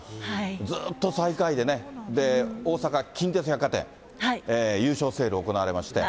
ずーっと最下位でね、で、大阪・近鉄百貨店、優勝セール行われまして。